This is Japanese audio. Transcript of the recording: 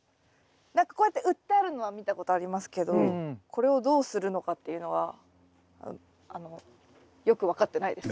何かこうやって売ってあるのは見たことありますけどこれをどうするのかっていうのはあのよく分かってないです。